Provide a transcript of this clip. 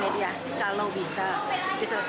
ada mediasi kalau bisa diselesaikan di makbo saja